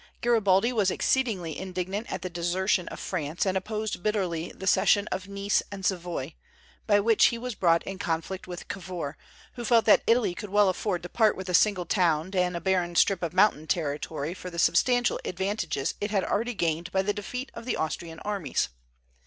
Garibaldi was exceedingly indignant at the desertion of France, and opposed bitterly the cession of Nice and Savoy, by which he was brought in conflict with Cavour, who felt that Italy could well afford to part with a single town and a barren strip of mountain territory for the substantial advantages it had already gained by the defeat of the Austrian armies.